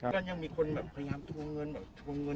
ก็ยังมีคนแบบพยายามทรวงเงิน